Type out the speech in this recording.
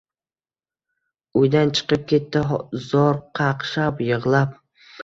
Uydan chiqib ketdi zor qaqshab, yig‘lab.